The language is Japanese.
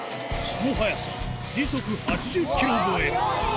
その速さ時速８０キロ超え速いよ！